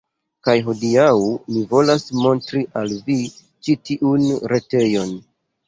Kaj hodiaŭ mi volas montri al vi ĉi tiun retejon